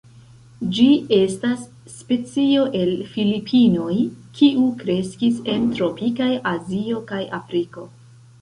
Ĝi estas specio el Filipinoj, kiu kreskis en tropikaj Azio kaj Afriko.